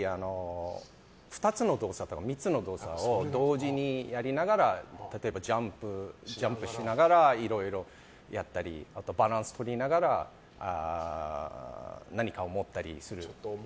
２つの動作とか３つの動作を同時にやりながら例えば、ジャンプしながらいろいろやったりあと、バランスとりながら何かを持ったりする。